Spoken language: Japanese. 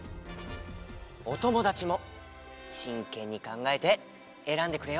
おともだちもしんけんにかんがえてえらんでくれよ。